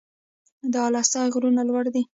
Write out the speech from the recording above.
د اله سای غرونه لوړ دي